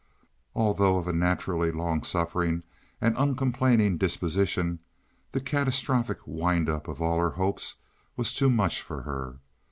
Although of a naturally long suffering and uncomplaining disposition, the catastrophic wind up of all her hopes was too much for her.